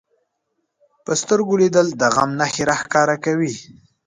په سترګو لیدل د غم نښې راښکاره کوي